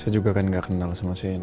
saya juga kan gak kenal sama shane